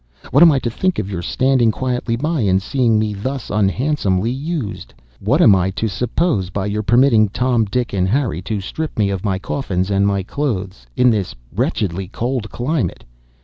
What am I to think of your standing quietly by and seeing me thus unhandsomely used? What am I to suppose by your permitting Tom, Dick, and Harry to strip me of my coffins, and my clothes, in this wretchedly cold climate?